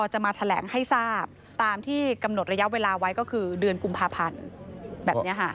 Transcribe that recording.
จะมาแถลงให้ทราบตามที่กำหนดระยะเวลาไว้ก็คือเดือนกุมภาพันธ์แบบนี้ค่ะ